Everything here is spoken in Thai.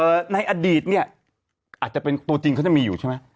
ในอดีตเนี่ยอาจจะเป็นตัวจริงเขาจะมีอยู่ใช่ไหม